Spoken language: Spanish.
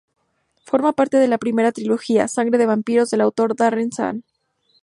Forma parte de la primera trilogía: "Sangre de vampiros" del autor Darren Shan.